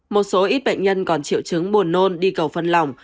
một số ít bệnh nhân còn triệu chứng buồn nôn đi cầu phân lòng